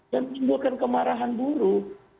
dan pindahkan kemarahan buruh